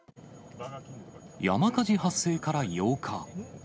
山火事発生から８日。